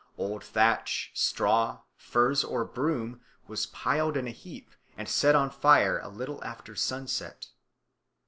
Old thatch, straw, furze, or broom was piled in a heap and set on fire a little after sunset.